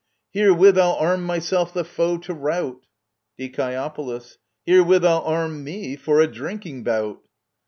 Herewith I'll arm myself the foe to rout ! Die. Herewith I'll arm me — for a drinking bout